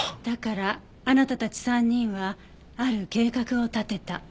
だからあなたたち３人はある計画を立てた。